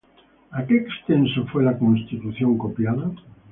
¿A qué extenso fue la Constitución copiada?